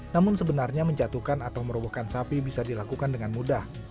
namun sebenarnya menjatuhkan atau merobohkan sapi bisa dilakukan dengan mudah